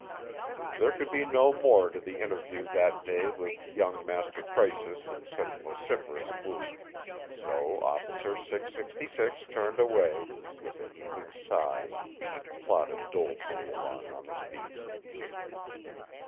There could be no more to the interview that day with young Master Croesus in such vociferous mood, so Officer 666 turned away with a heaving sigh and plodded dolefully along on his beat.